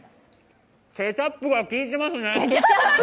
ケチャップがきいてますね！